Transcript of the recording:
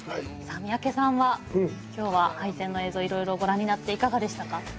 さあ三宅さんは今日は廃線の映像いろいろご覧になっていかがでしたか？